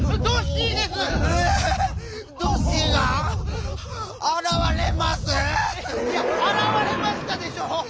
いや「あらわれました」でしょ。